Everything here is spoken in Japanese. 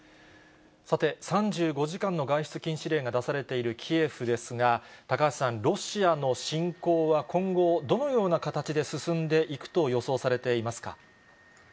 さて、３５時間の外出禁止令が出されているキエフですが、高橋さんロシアの侵攻は、今後、どのような形で進んでいくと予想されていますか？